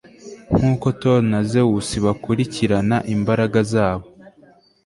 nkuko thor na zewus bakurikirana imbaraga zabo